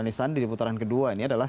anisandi di putaran kedua ini adalah